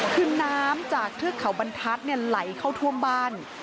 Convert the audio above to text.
คือน้ำจากเทือกเขาบรรทัศน์ไหลเข้าท่วมบ้าน